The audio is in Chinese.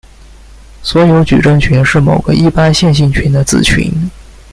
所有矩阵群是某个一般线性群的子群。